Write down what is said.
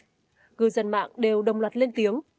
người dân mạng đều đồng loạt lên tiếng